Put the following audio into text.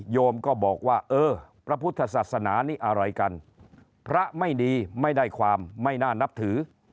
โยมก็บอกว่าเออพระพุทธศาสนานี่อะไรกันพระไม่ดีไม่ได้ความไม่น่านับถือ